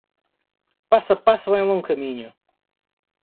Passo a passo vai um longo caminho.